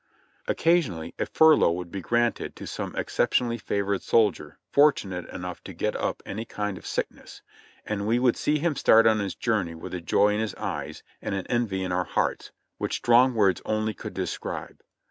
Occasionally a furlough would be granted to some exception ally favored soldier fortunate enough to get up any kind of sick ness, and we would see him start on his journey with a joy in his eyes and an envy in our hearts which strong words only could describe.